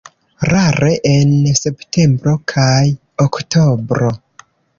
Rare en septembro kaj oktobro.